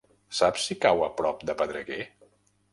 Saps si cau a prop de Pedreguer?